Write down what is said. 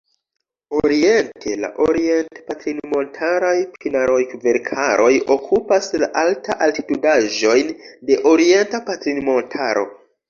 Oriente, la orient-patrinmontaraj pinaroj-kverkaroj okupas la alta-altitudaĵojn de Orienta Patrinmontaro.